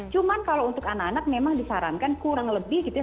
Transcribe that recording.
cuman kalau untuk anak anak memang disarankan kurang lebih gitu ya